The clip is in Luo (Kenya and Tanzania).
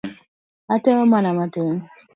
Atemo mana matin.